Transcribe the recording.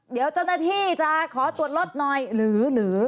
เดี๋ยวเจ้าหน้าที่จะขอตรวจรถหน่อยหรือ